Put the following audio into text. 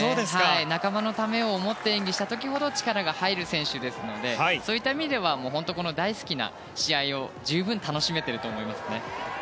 仲間のためを思って演技をした時ほど力が入る選手ですのでそういった意味では本当に大好きな試合を十分楽しめていると思います。